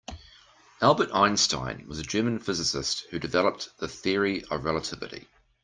Albert Einstein was a German physicist who developed the Theory of Relativity.